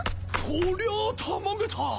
こりゃあたまげた！